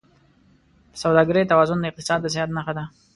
د سوداګرۍ توازن د اقتصاد د صحت نښه ده.